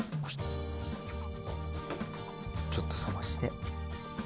ちょっと冷まして。